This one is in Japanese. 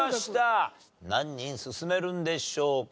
何人進めるんでしょうか？